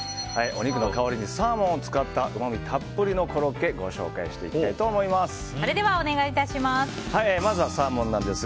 お肉の代わりにサーモンを使ったうまみたっぷりのコロッケをご紹介していきたいと思います。